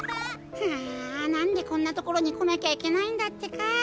ああなんでこんなところにこなきゃいけないんだってか。